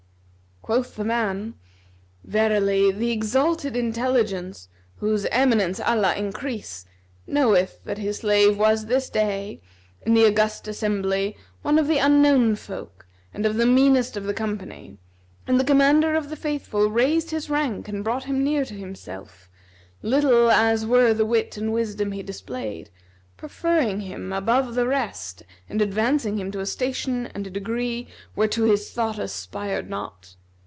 Quoth the man "Verily the Exalted Intelligence (whose eminence Allah increase!) knoweth that his slave was this day, in the august assembly, one of the unknown folk and of the meanest of the company; and the Commander of the Faithful raised his rank and brought him near to himself, little as were the wit and wisdom he displayed, preferring him above the rest and advancing him to a station and a degree where to his thought aspired not.